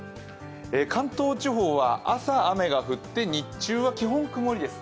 関東地方は朝、雨が降って日中は基本、曇りです。